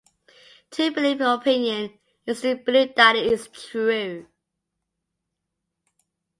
To believe an opinion is to believe that it is true.